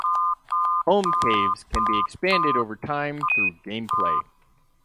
Home Caves can be expanded over time through gameplay.